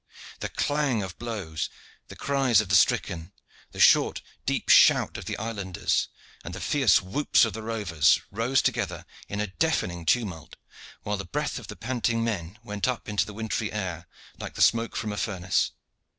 The clang of blows, the cries of the stricken, the short, deep shout of the islanders, and the fierce whoops of the rovers, rose together in a deafening tumult, while the breath of the panting men went up in the wintry air like the smoke from a furnace.